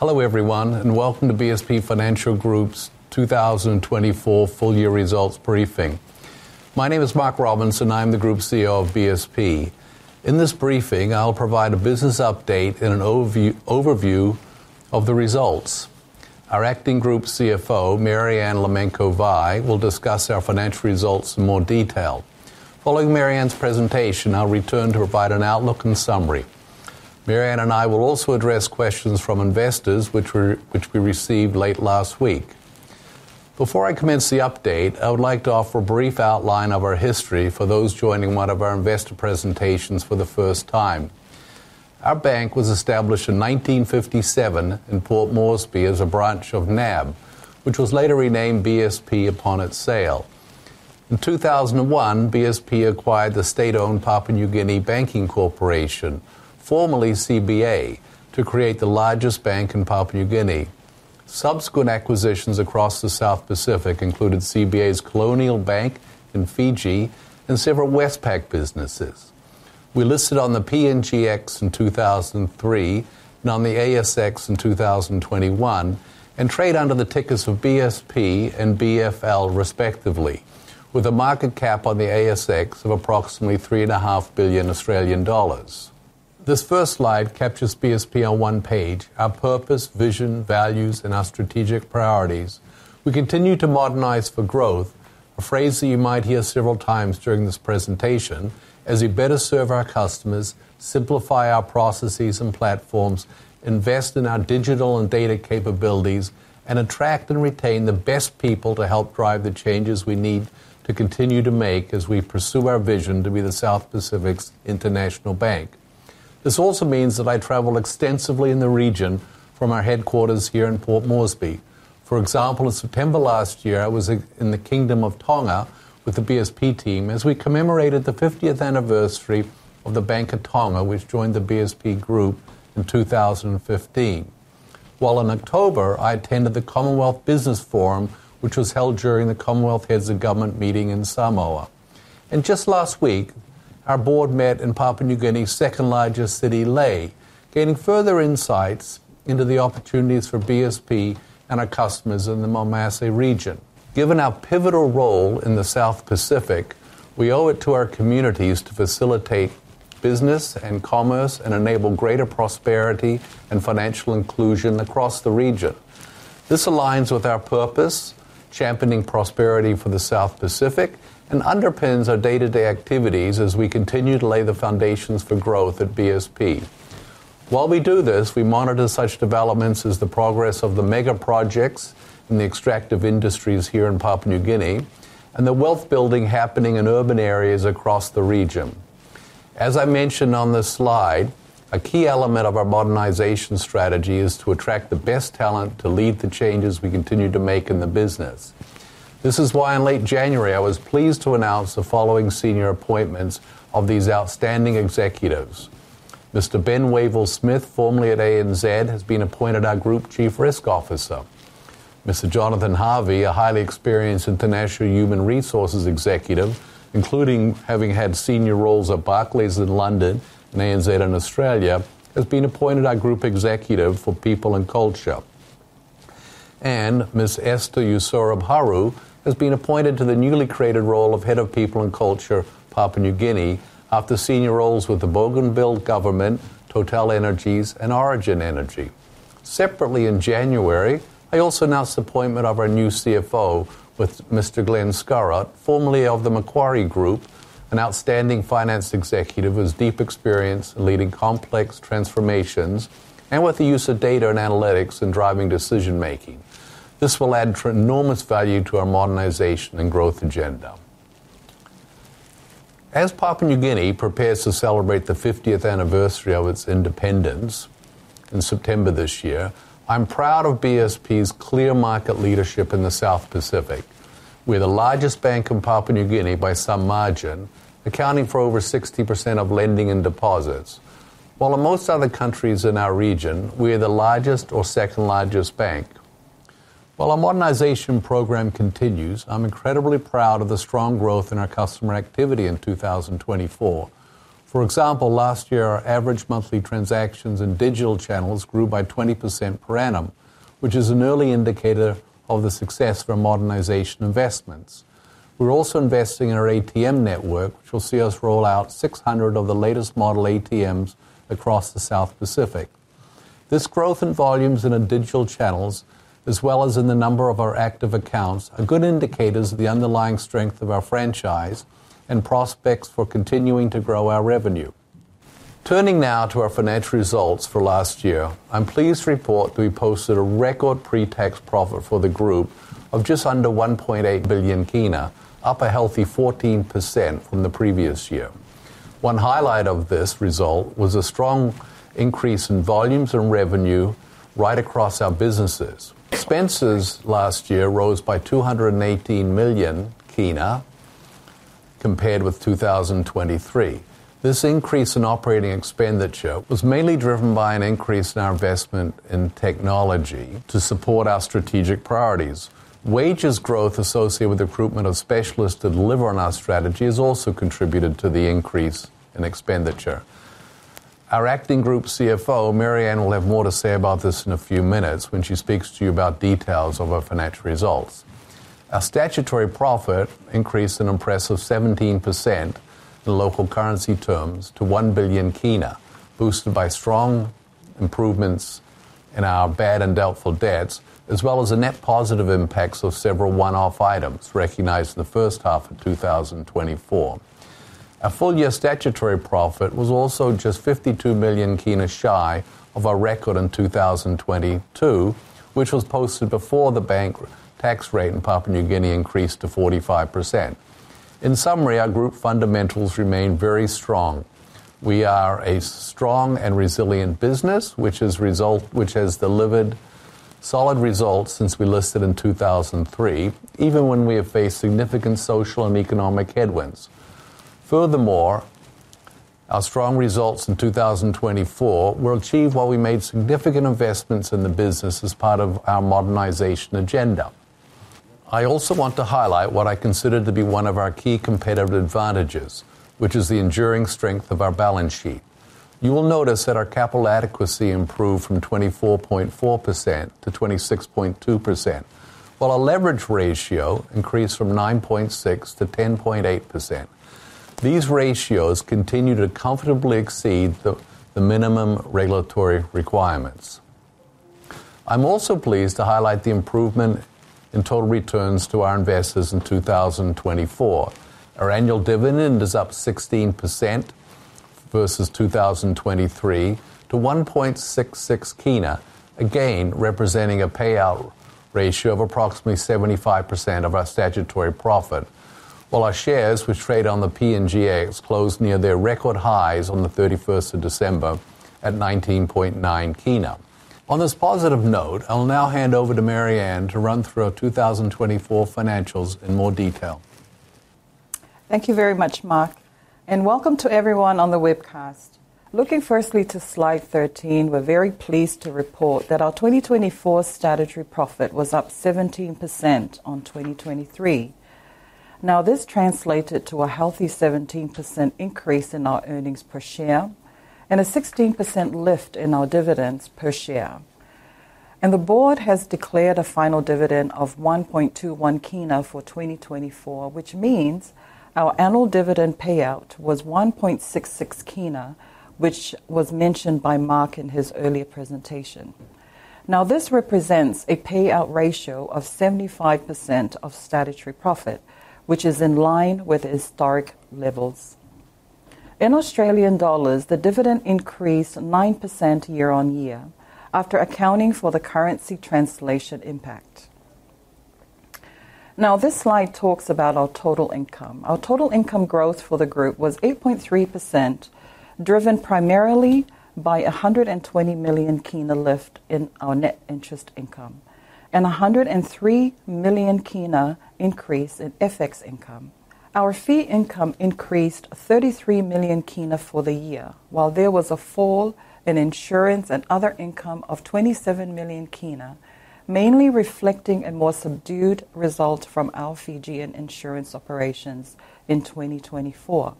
Hello everyone, and Welcome to BSP Financial Group's 2024 Full-Year Results Briefing. My name is Mark Robinson, and I'm the Group CEO of BSP. In this briefing, I'll provide a business update and an overview of the results. Our Acting Group CFO, Maryann Lameko-Vaai, will discuss our financial results in more detail. Following Maryann's presentation, I'll return to provide an outlook and summary. Maryann and I will also address questions from investors, which we received late last week. Before I commence the update, I would like to offer a brief outline of our history for those joining one of our investor presentations for the first time. Our bank was established in 1957 in Port Moresby as a branch of NAB, which was later renamed BSP upon its sale. In 2001, BSP acquired the state-owned Papua New Guinea Banking Corporation, formerly CBA, to create the largest bank in Papua New Guinea. Subsequent acquisitions across the South Pacific included CBA's Colonial Bank in Fiji and several Westpac businesses. We listed on the PNGX in 2003 and on the ASX in 2021, and trade under the tickers of BSP and BFL respectively, with a market cap on the ASX of approximately 3.5 billion Australian dollars. This first slide captures BSP on one page: our purpose, vision, values, and our strategic priorities. We continue to modernize for growth, a phrase that you might hear several times during this presentation, as we better serve our customers, simplify our processes and platforms, invest in our digital and data capabilities, and attract and retain the best people to help drive the changes we need to continue to make as we pursue our vision to be the South Pacific's international bank. This also means that I travel extensively in the region from our headquarters here in Port Moresby. For example, in September last year, I was in the Kingdom of Tonga with the BSP team as we commemorated the 50th anniversary of the Bank of Tonga, which joined the BSP Group in 2015. While in October, I attended the Commonwealth Business Forum, which was held during the Commonwealth Heads of Government Meeting in Samoa, and just last week, our board met in Papua New Guinea's second-largest city, Lae, gaining further insights into the opportunities for BSP and our customers in the Morobe region. Given our pivotal role in the South Pacific, we owe it to our communities to facilitate business and commerce and enable greater prosperity and financial inclusion across the region. This aligns with our purpose, championing prosperity for the South Pacific, and underpins our day-to-day activities as we continue to lay the foundations for growth at BSP. While we do this, we monitor such developments as the progress of the mega projects in the extractive industries here in Papua New Guinea and the wealth building happening in urban areas across the region. As I mentioned on this slide, a key element of our modernization strategy is to attract the best talent to lead the changes we continue to make in the business. This is why in late January, I was pleased to announce the following senior appointments of these outstanding executives: Mr. Ben Wavell-Smith, formerly at ANZ, has been appointed our Group Chief Risk Officer. Mr. Jonathan Harvey, a highly experienced international human resources executive, including having had senior roles at Barclays in London and ANZ in Australia, has been appointed our Group Executive for People and Culture. And Ms. Esther Usurup has been appointed to the newly created role of Head of People and Culture, Papua New Guinea, after senior roles with the Bougainville Government, TotalEnergies, and Origin Energy. Separately, in January, I also announced the appointment of our new CFO, Mr. Glen Skarott, formerly of the Macquarie Group, an outstanding finance executive with deep experience in leading complex transformations and with the use of data and analytics in driving decision-making. This will add enormous value to our modernization and growth agenda. As Papua New Guinea prepares to celebrate the 50th anniversary of its independence in September this year, I'm proud of BSP's clear market leadership in the South Pacific. We are the largest bank in Papua New Guinea by some margin, accounting for over 60% of lending and deposits. While in most other countries in our region, we are the largest or second-largest bank. While our modernization program continues, I'm incredibly proud of the strong growth in our customer activity in 2024. For example, last year, our average monthly transactions in digital channels grew by 20% per annum, which is an early indicator of the success of our modernization investments. We're also investing in our ATM network, which will see us roll out 600 of the latest model ATMs across the South Pacific. This growth in volumes in our digital channels, as well as in the number of our active accounts, are good indicators of the underlying strength of our franchise and prospects for continuing to grow our revenue. Turning now to our financial results for last year, I'm pleased to report that we posted a record pre-tax profit for the Group of just under PGK 1.8 billion, up a healthy 14% from the previous year. One highlight of this result was a strong increase in volumes and revenue right across our businesses. Expenses last year cross by PGK 218 million compared with 2023. This increase in operating expenditure was mainly driven by an increase in our investment in technology to support our strategic priorities. Wages growth associated with the recruitment of specialists to deliver on our strategy has also contributed to the increase in expenditure. Our Acting Group CFO, Maryann, will have more to say about this in a few minutes when she speaks to you about details of our financial results. Our statutory profit increased an impressive 17% in local currency terms to PGK 1 billion, boosted by strong improvements in our bad and doubtful debts, as well as the net positive impacts of several one-off items recognized in the first half of 2024. Our full-year statutory profit was also just PGK 52 million shy of our record in 2022, which was posted before the bank tax rate in Papua New Guinea increased to 45%. In summary, our Group fundamentals remain very strong. We are a strong and resilient business, which has delivered solid results since we listed in 2003, even when we have faced significant social and economic headwinds. Furthermore, our strong results in 2024 were achieved while we made significant investments in the business as part of our modernization agenda. I also want to highlight what I consider to be one of our key competitive advantages, which is the enduring strength of our balance sheet. You will notice that our capital adequacy improved from 24.4% to 26.2%, while our leverage ratio increased from 9.6% to 10.8%. These ratios continue to comfortably exceed the minimum regulatory requirements. I'm also pleased to highlight the improvement in total returns to our investors in 2024. Our annual dividend is up 16% versus 2023 to 1.66 Kina, again representing a payout ratio of approximately 75% of our statutory profit, while our shares, which trade on the PNGX, closed near their record highs on the 31st of December at 19.9 Kina On this positive note, I'll now hand over to Maryann to run through our 2024 financials in more detail. Thank you very much, Mark, and welcome to everyone on the webcast. Looking firstly to slide 13, we're very pleased to report that our 2024 statutory profit was up 17% on 2023. Now, this translated to a healthy 17% increase in our earnings per share and a 16% lift in our dividends per share. And the board has declared a final dividend of 1.21 Kina for 2024, which means our annual dividend payout was 1.66 Kina which was mentioned by Mark in his earlier presentation. Now, this represents a payout ratio of 75% of statutory profit, which is in line with historic levels. In Australian dollars, the dividend increased 9% year-on-year after accounting for the currency translation impact. Now, this slide talks about our total income. Our total income growth for the Group was 8.3%, driven primarily by PGK 120 million lift in our net interest income and PGK 103 million increase in FX income. Our fee income increased PGK 33 million for the year, while there was a fall in insurance and other income of PGK 27 million, mainly reflecting a more subdued result from our Fijian insurance operations in 2024.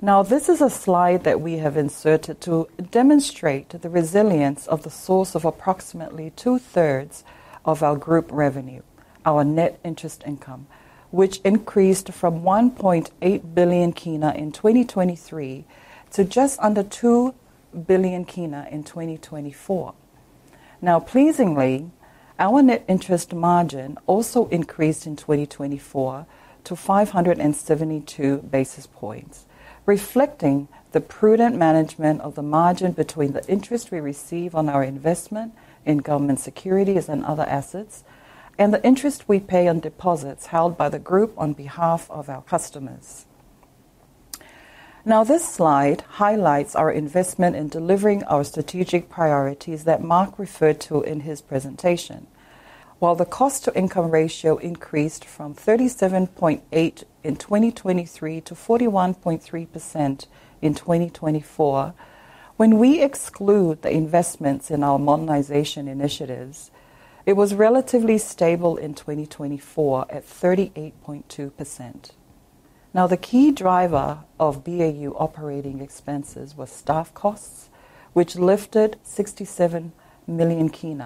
Now, this is a slide that we have inserted to demonstrate the resilience of the source of approximately two-thirds of our Group revenue, our net interest income, which increased from PGK 1.8 billion in 2023 to just under PGK 2 billion in 2024. Now, pleasingly, our net interest margin also increased in 2024 to 572 basis points, reflecting the prudent management of the margin between the interest we receive on our investment in government securities and other assets and the interest we pay on deposits held by the Group on behalf of our customers. Now, this slide highlights our investment in delivering our strategic priorities that Mark referred to in his presentation. While the cost-to-income ratio increased from 37.8% in 2023 to 41.3% in 2024, when we exclude the investments in our modernization initiatives, it was relatively stable in 2024 at 38.2%. Now, the key driver of BAU operating expenses was staff costs, which lifted PGK 67 million,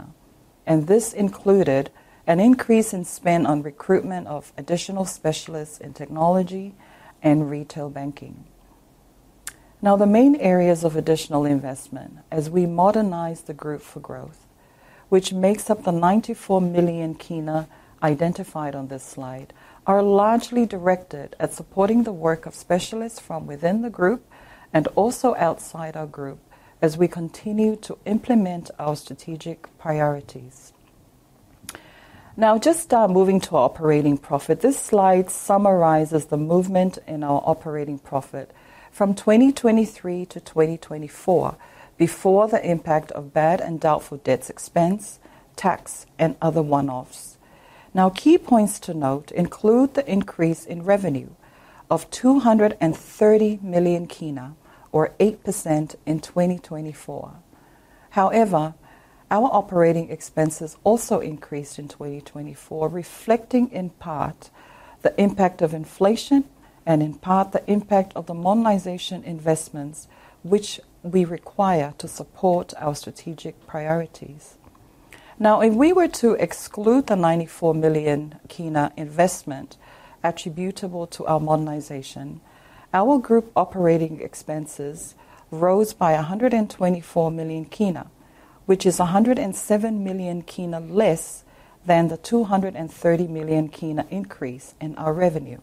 and this included an increase in spend on recruitment of additional specialists in technology and retail banking. Now, the main areas of additional investment as we modernize the Group for growth, which makes up the PGK 94 million identified on this slide, are largely directed at supporting the work of specialists from within the Group and also outside our Group as we continue to implement our strategic priorities. Now, just moving to operating profit, this slide summarizes the movement in our operating profit from 2023 to 2024 before the impact of bad and doubtful debts expense, tax, and other one-offs. Now, key points to note include the increase in revenue of PGK 230 million or 8% in 2024. However, our operating expenses also increased in 2024, reflecting in part the impact of inflation and in part the impact of the modernization investments which we require to support our strategic priorities. Now, if we were to exclude the PGK 94 million investment attributable to our modernization, our Group operating expenses cross by PGK 124 million, which is PGK 107 million less than the PGK 230 million increase in our revenue.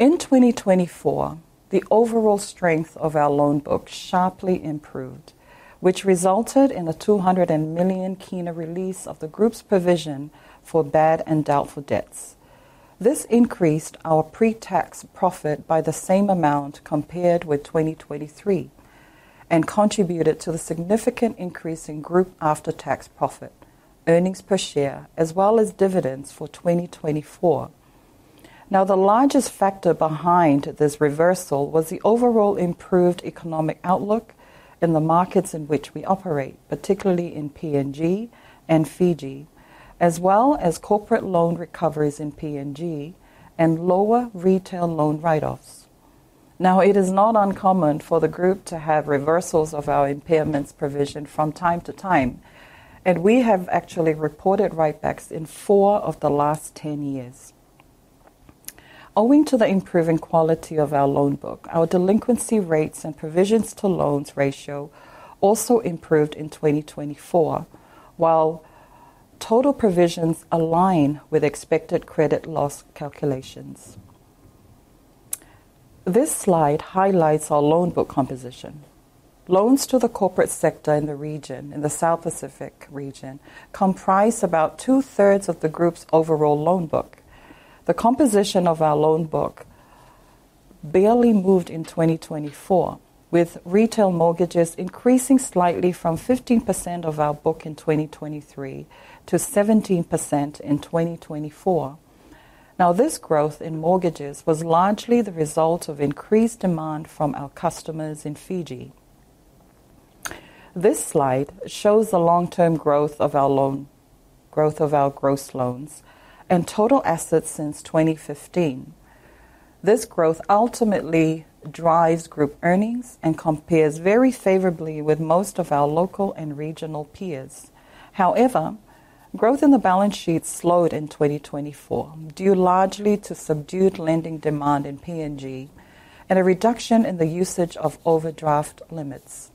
In 2024, the overall strength of our loan book sharply improved, which resulted in a PGK 200 million release of the Group's provision for bad and doubtful debts. This increased our pre-tax profit by the same amount compared with 2023 and contributed to the significant increase in Group after-tax profit, earnings per share, as well as dividends for 2024. Now, the largest factor behind this reversal was the overall improved economic outlook in the markets in which we operate, particularly in PNG and Fiji, as well as corporate loan recoveries in PNG and lower retail loan write-offs. Now, it is not uncommon for the Group to have reversals of our impairments provision from time to time, and we have actually reported write-backs in four of the last 10 years. Owing to the improving quality of our loan book, our delinquency rates and provisions to loans ratio also improved in 2024, while total provisions align with expected credit loss calculations. This slide highlights our loan book composition. Loans to the corporate sector in the region, in the South Pacific region, comprise about two-thirds of the Group's overall loan book. The composition of our loan book barely moved in 2024, with retail mortgages increasing slightly from 15% of our book in 2023 to 17% in 2024. Now, this growth in mortgages was largely the result of increased demand from our customers in Fiji. This slide shows the long-term growth of our gross loans and total assets since 2015. This growth ultimately drives Group earnings and compares very favorably with most of our local and regional peers. However, growth in the balance sheet slowed in 2024 due largely to subdued lending demand in PNG and a reduction in the usage of overdraft limits.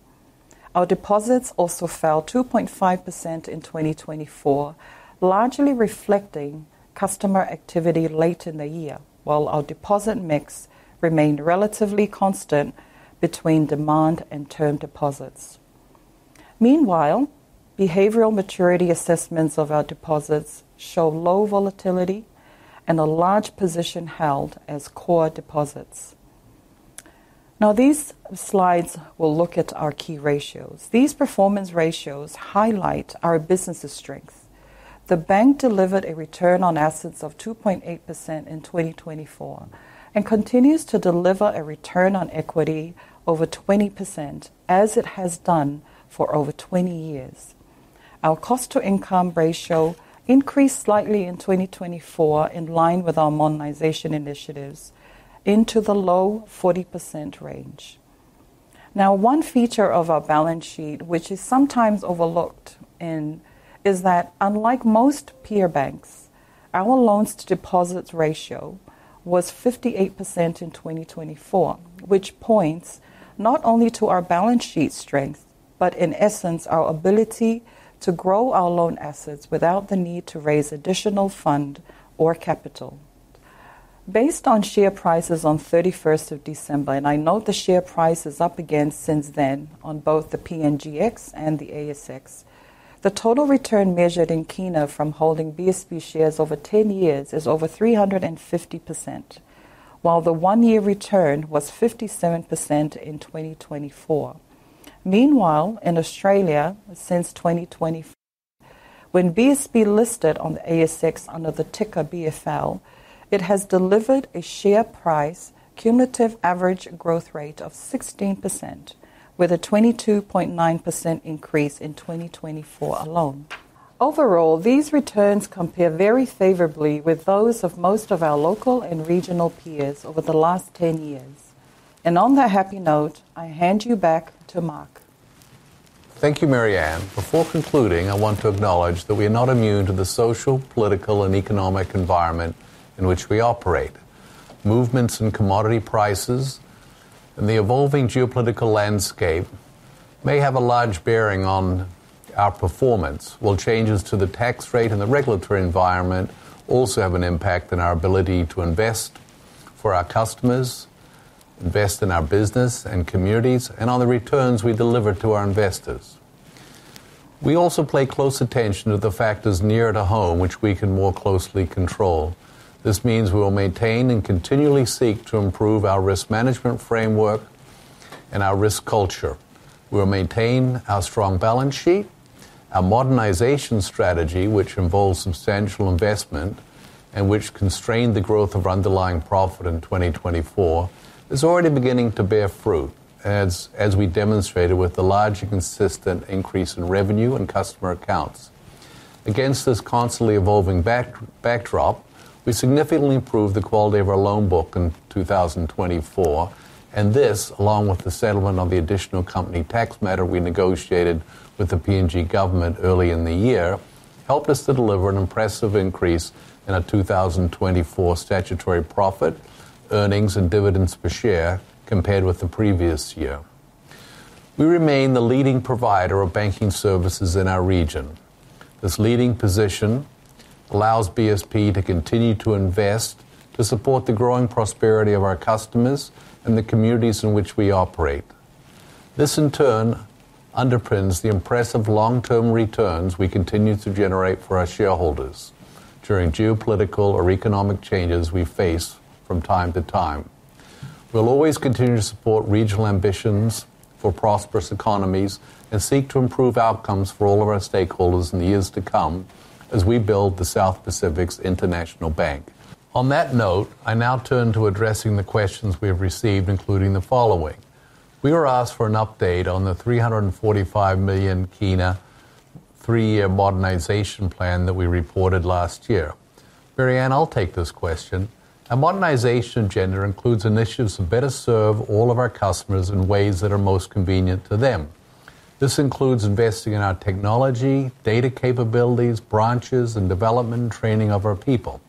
Our deposits also fell 2.5% in 2024, largely reflecting customer activity late in the year, while our deposit mix remained relatively constant between demand and term deposits. Meanwhile, behavioral maturity assessments of our deposits show low volatility and a large position held as core deposits. Now, these slides will look at our key ratios. These performance ratios highlight our business's strength. The Bank delivered a return on assets of 2.8% in 2024 and continues to deliver a return on equity over 20%, as it has done for over 20 years. Our cost-to-income ratio increased slightly in 2024, in line with our modernization initiatives, into the low 40% range. Now, one feature of our balance sheet, which is sometimes overlooked, is that unlike most peer banks, our loans to deposits ratio was 58% in 2024, which points not only to our balance sheet strength, but in essence, our ability to grow our loan assets without the need to raise additional fund or capital. Based on share prices on 31st of December, and I know the share price is up again since then on both the PNGX and the ASX, the total return measured in Kina from holding BSP shares over 10 years is over 350%, while the one-year return was 57% in 2024. Meanwhile, in Australia, since 2024, when BSP listed on the ASX under the ticker BFL, it has delivered a share price cumulative average growth rate of 16%, with a 22.9% increase in 2024 alone. Overall, these returns compare very favorably with those of most of our local and regional peers over the last 10 years, and on that happy note, I hand you back to Mark. Thank you, Maryann. Before concluding, I want to acknowledge that we are not immune to the social, political, and economic environment in which we operate. Movements in commodity prices and the evolving geopolitical landscape may have a large bearing on our performance, while changes to the tax rate and the regulatory environment also have an impact on our ability to invest for our customers, invest in our business and communities, and on the returns we deliver to our investors. We also pay close attention to the factors near to home, which we can more closely control. This means we will maintain and continually seek to improve our risk management framework and our risk culture. We will maintain our strong balance sheet. Our modernization strategy, which involves substantial investment and which constrained the growth of underlying profit in 2024, is already beginning to bear fruit, as we demonstrated with the large and consistent increase in revenue and customer accounts. Against this constantly evolving backdrop, we significantly improved the quality of our loan book in 2024, and this, along with the settlement of the additional company tax matter we negotiated with the PNG government early in the year, helped us to deliver an impressive increase in our 2024 statutory profit, earnings, and dividends per share compared with the previous year. We remain the leading provider of banking services in our region. This leading position allows BSP to continue to invest to support the growing prosperity of our customers and the communities in which we operate. This, in turn, underpins the impressive long-term returns we continue to generate for our shareholders during geopolitical or economic changes we face from time to time. We'll always continue to support regional ambitions for prosperous economies and seek to improve outcomes for all of our stakeholders in the years to come as we build the South Pacific's International Bank. On that note, I now turn to addressing the questions we have received, including the following. We were asked for an update on the PGK 345 million three-year modernization plan that we reported last year. Maryann, I'll take this question. Our modernization agenda includes initiatives to better serve all of our customers in ways that are most convenient to them. This includes investing in our technology, data capabilities, branches, and development and training of our people.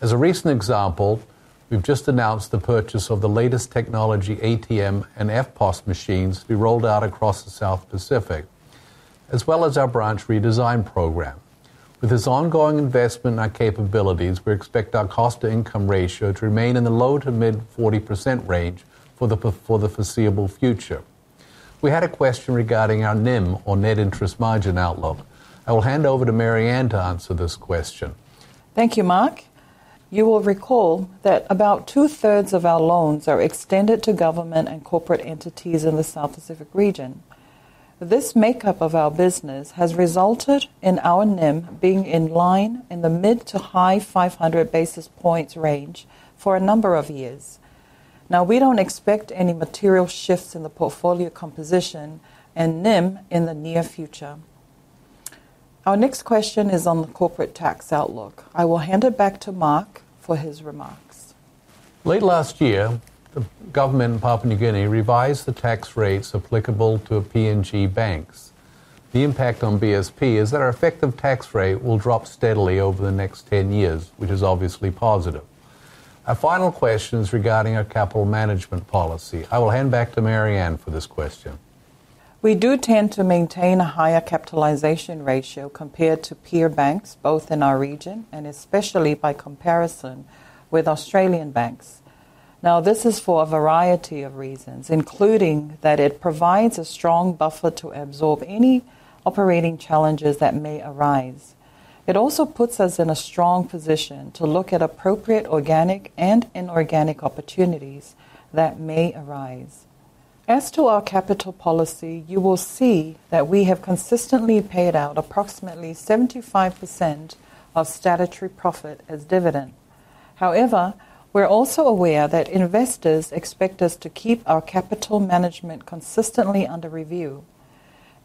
As a recent example, we've just announced the purchase of the latest technology ATM and EFTPOS machines to be rolled out across the South Pacific, as well as our branch redesign program. With this ongoing investment in our capabilities, we expect our cost-to-income ratio to remain in the low-to-mid 40% range for the foreseeable future. We had a question regarding our NIM, or net interest margin outlook. I will hand over to Maryann to answer this question. Thank you, Mark. You will recall that about two-thirds of our loans are extended to government and corporate entities in the South Pacific region. This makeup of our business has resulted in our NIM being in line in the mid to high 500 basis points range for a number of years. Now, we don't expect any material shifts in the portfolio composition and NIM in the near future. Our next question is on the corporate tax outlook. I will hand it back to Mark for his remarks. Late last year, the government in Papua New Guinea revised the tax rates applicable to PNG banks. The impact on BSP is that our effective tax rate will drop steadily over the next 10 years, which is obviously positive. Our final question is regarding our capital management policy. I will hand back to Maryann for this question. We do tend to maintain a higher capitalization ratio compared to peer banks, both in our region and especially by comparison with Australian banks. Now, this is for a variety of reasons, including that it provides a strong buffer to absorb any operating challenges that may arise. It also puts us in a strong position to look at appropriate organic and inorganic opportunities that may arise. As to our capital policy, you will see that we have consistently paid out approximately 75% of statutory profit as dividend. However, we're also aware that investors expect us to keep our capital management consistently under review,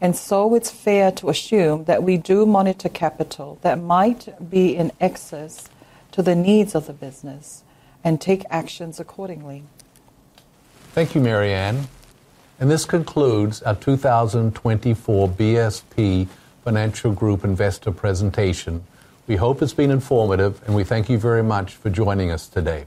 and so it's fair to assume that we do monitor capital that might be in excess to the needs of the business and take actions accordingly. Thank you, Maryann. And this concludes our 2024 BSP Financial Group investor presentation. We hope it's been informative, and we thank you very much for joining us today.